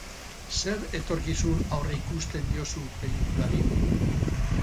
Zer etorkizun aurreikusten diozu pelikulari?